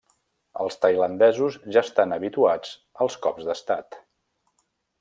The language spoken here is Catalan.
Els tailandesos ja estan habituats als cops d'Estat.